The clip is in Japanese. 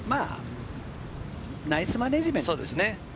ナイスマネジメントですね。